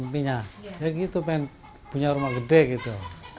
mimpinya ya gitu pengen punya rumah gede gitu